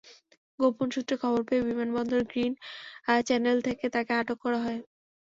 গোপন সূত্রে খবর পেয়ে বিমানবন্দরের গ্রিন চ্যানেল থেকে তাঁকে আটক করা হয়।